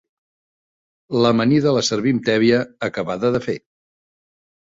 L'amanida la servim tèbia, acabada de fer.